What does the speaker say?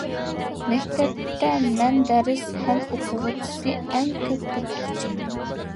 مەكتەپتە مەن دەرسى ھەم ئوقۇغۇچىسى ئەڭ كۆپ ئوقۇتقۇچى.